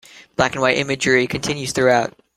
Black-and-white imagery continues throughout.